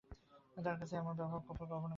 তার কাছে এমন ব্যবহার গোপাল কল্পনা করিতে পারিত না।